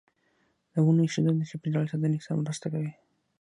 د ونو ایښودل د چاپیریال ساتنې سره مرسته کوي.